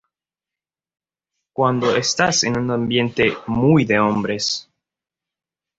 cuando estás en un ambiente “muy de hombres”